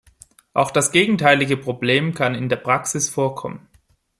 Auch das gegenteilige Problem kann in der Praxis vorkommen.